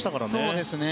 そうですね。